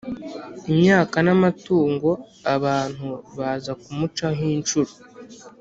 imyaka n' amatungo; abantu baza kumucaho inshuro,